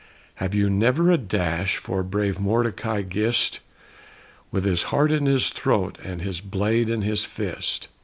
Have you never a dash for brave Mordecai Gist, With his heart in his throat, and his blade in his fist?